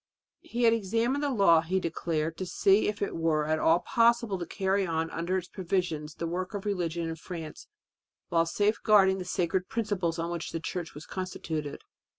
He had examined the law, he declared, to see if it were at all possible to carry on under its provisions the work of religion in France while safeguarding the sacred principles on which the Church was constituted.